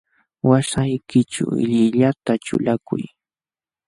Waśhaykićhu llillata ćhulakuy.